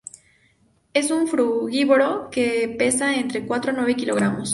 Es un frugívoro que pesa entre cuatro a nueve kilogramos.